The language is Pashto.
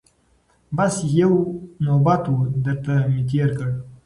بس یو نوبت وو درته مي تېر کړ